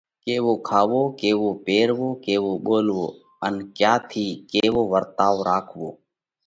ڪيوو کاوو، ڪيوو پيروو، ڪيوو ٻولوو ان ڪيا ٿِي ڪيوو ورتائو راکوو۔